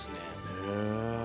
へえ。